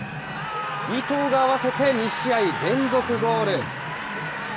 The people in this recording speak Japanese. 伊東が合わせて２試合連続ゴール。